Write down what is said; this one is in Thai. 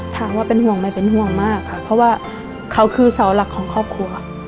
ถามว่าเป็นห่วงไหมเป็นห่วงมากค่ะเพราะว่าเขาคือเสาหลักของครอบครัว